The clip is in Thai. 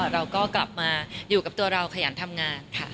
เราก็กลับมาอยู่กับตัวเราขยันทำงานค่ะ